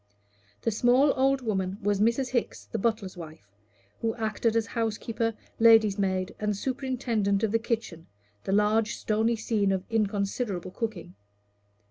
The small old woman was Mrs. Hickes, the butler's wife, who acted as housekeeper, lady's maid, and superintendent of the kitchen the large stony scene of inconsiderable cooking.